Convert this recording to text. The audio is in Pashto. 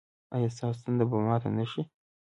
ایا ستاسو تنده به ماته نه شي؟